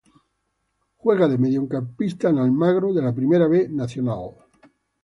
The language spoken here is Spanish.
Juega de mediocampista en Almagro de la Primera B Nacional.